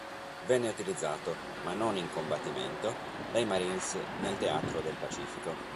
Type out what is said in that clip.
Venne utilizzato, ma non in combattimento, dai Marines nel teatro del Pacifico.